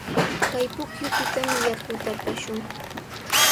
Kay pukyupitami yakuta apashun.